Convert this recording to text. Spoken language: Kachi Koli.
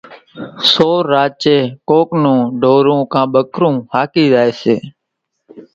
سور راچين ڪونڪ نون ڍورون ڪان ٻڪرون هاڪِي زائيَ سي۔